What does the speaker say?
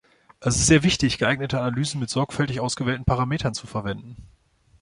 Es ist sehr wichtig, geeignete Analysen mit sorgfältig ausgewählten Parametern zu verwenden.